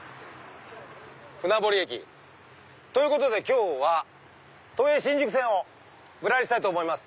船堀駅。ということで今日は都営新宿線をぶらりしたいと思います。